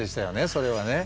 それはね。